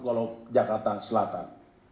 kolom jakarta selatan